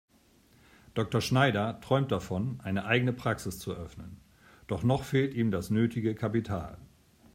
Dr. Schneider träumt davon, eine eigene Praxis zu eröffnen, doch noch fehlt ihm das nötige Kapital.